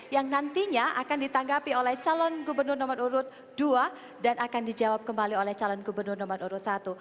yang nantinya akan ditanggapi oleh calon gubernur nomor urut dua dan akan dijawab kembali oleh calon gubernur nomor urut satu